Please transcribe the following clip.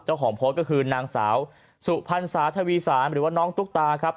เจ้าของโพสต์ก็คือนางสาวสุพรรณสาธวีสารหรือว่าน้องตุ๊กตาครับ